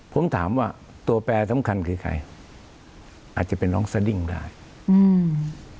ผมถามว่าตัวแปรสำคัญคือใครอาจจะเป็นน้องสดิ้งได้อืม